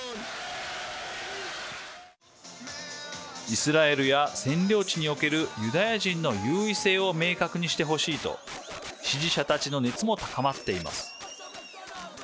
イスラエルや占領地におけるユダヤ人の優位性を明確にしてほしいと支持者たちの熱も高まっています。